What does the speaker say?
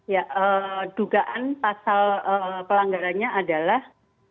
ya dugaan pasal pelanggarannya adalah